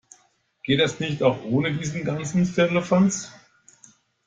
Geht das nicht auch ohne diesen ganzen Firlefanz?